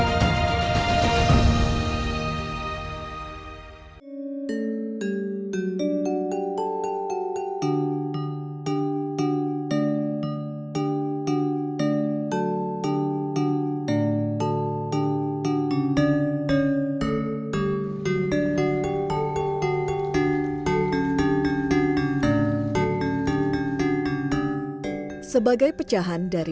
kisah kisah dari mataram